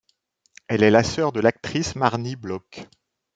Elle est la soeur de l'actrice Marnie Blok.